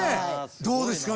どうですか？